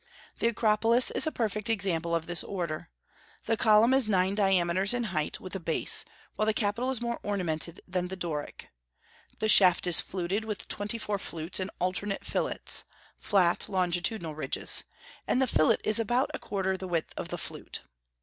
The Acropolis is a perfect example of this order. The column is nine diameters in height, with a base, while the capital is more ornamented than the Doric. The shaft is fluted with twenty four flutes and alternate fillets (flat longitudinal ridges), and the fillet is about a quarter the width of the flute.